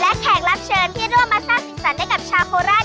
และแขกรับเชิญที่ร่วมมาสร้างสีสันให้กับชาวโคราช